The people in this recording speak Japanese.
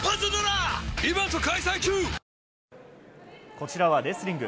こちらはレスリング。